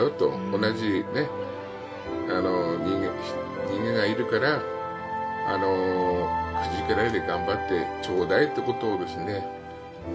同じ人間がいるからくじけないで頑張ってちょうだいってことをですね